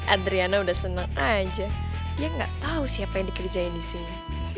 adriana udah seneng aja dia gak tau siapa yang dikerjain disini